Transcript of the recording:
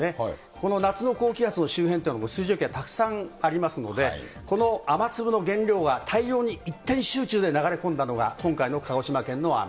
この夏の高気圧の周辺というのは、水蒸気がたくさんありますので、この雨粒の原料は、大量に一点集中で流れ込んだのが、今回の鹿児島県の雨。